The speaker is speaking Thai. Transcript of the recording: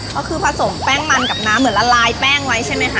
ก็คือผสมแป้งมันกับน้ำเหมือนละลายแป้งไว้ใช่ไหมคะ